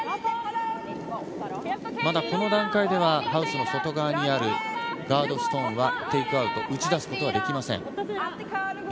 この段階ではハウスの外側にあるガードストーンはテイクアウト、打ち出すことができません。